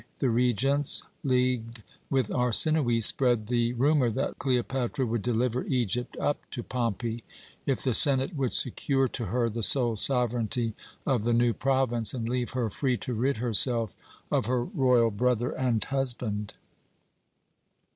The regents, leagued with Arsinoë, spread the rumour that Cleopatra would deliver Egypt up to Pompey, if the senate would secure to her the sole sovereignty of the new province, and leave her free to rid herself of her royal brother and husband.